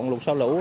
lụt sau lũ